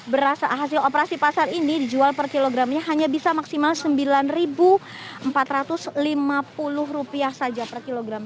beras hasil operasi pasar ini dijual per kilogramnya hanya bisa maksimal rp sembilan empat ratus lima puluh saja per kilogram